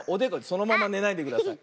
そのままねないでください。